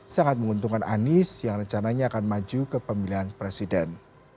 sangat menguntungkan anies yang rencananya akan maju ke pemilihan presiden